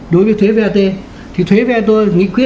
đối với thuế vat thì thuế vat tôi nghĩ quyết